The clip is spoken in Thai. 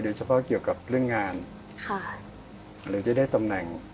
โดยเฉพาะเกี่ยวกับเรื่องงานเราจะได้ตำแหน่ง